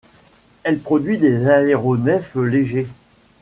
Elle produit des aéronefs légers.